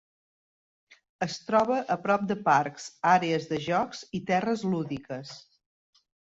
Es troba a prop de parcs, àrees de jocs i terres lúdiques.